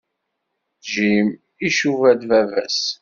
Jim icuba-d baba-s.